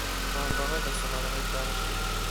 Ɛerḍeɣ ad as-ɣreɣ i Dda Racid.